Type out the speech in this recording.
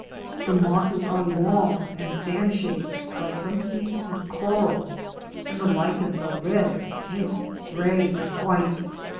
The mosses are long and fan shaped like some species of coral, and the lichens are red, pink, gray and white.